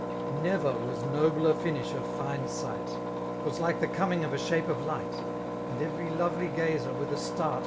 Never was noMer finish of fine sights 'Twas like the coming of a shape ^ light ; And every lovely gazer, wUh a start.